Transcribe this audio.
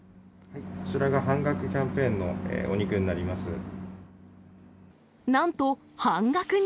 こちらが半額キャンペーンのなんと、半額に。